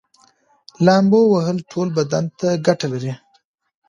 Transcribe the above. لامبو وهل ټول بدن ته ګټه لري